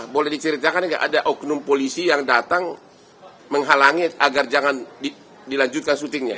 boleh diceritakan nggak ada oknum polisi yang datang menghalangi agar jangan dilanjutkan syutingnya